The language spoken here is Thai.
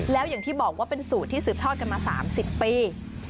แล้วอย่างที่บอกว่าเป็นสูตรที่สืบทอดกันมา๓๐ปี